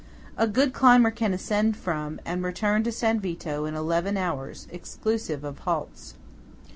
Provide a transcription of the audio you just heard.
A good climber can ascend from, and return to San Vito in eleven hours, exclusive of halts.